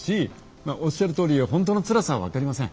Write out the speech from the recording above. おっしゃるとおり本当のつらさは分かりません。